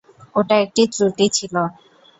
ওটা একটি ত্রুটি ছিলো।